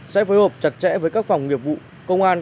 sẽ phối hợp chặt chẽ với các phòng nghiệp vụ công an